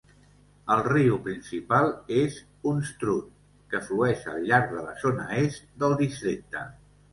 El riu principal és Unstrut, que flueix al llarg de la zona est del districte.